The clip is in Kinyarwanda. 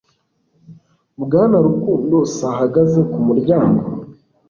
Bwana rukundo s ahagaze kumuryango